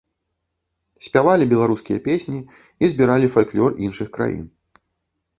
Спявалі беларускія песні і збіралі фальклор іншых краін.